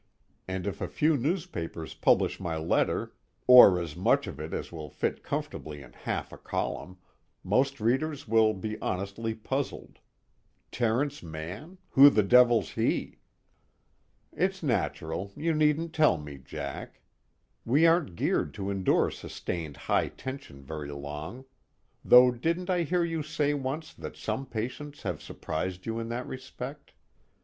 And if a few newspapers publish my letter, or as much of it as will fit comfortably in half a column, most readers will be honestly puzzled: Terence Mann, who the devil's he? It's natural, you needn't tell me, Jack. We aren't geared to endure sustained high tension very long though didn't I hear you say once that some patients have surprised you in that respect?